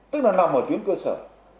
tức là nằm ở tuyến cơ sở